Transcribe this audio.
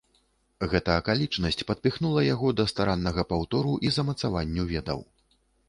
Гэта акалічнасць падпіхнула яго да стараннага паўтору і замацаванню ведаў.